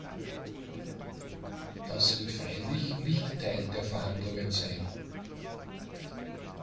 Das wird freilich nicht Teil der Verhandlungen sein.